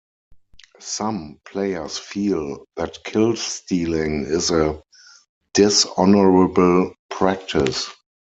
Some players feel that kill stealing is a dishonorable practice.